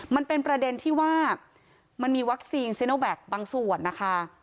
มันเป็นประเด็นที่ว่ามันมีวัคซีนซีโนแวคบางส่วนนะคะ